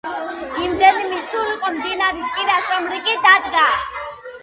იმდენი მისულიყო მდინარის პირას, რომ რიგი დადგა.